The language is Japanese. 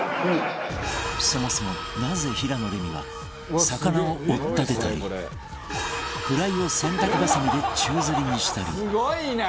そもそもなぜ平野レミは魚をおっ立てたりフライを洗濯ばさみで宙づりにしたり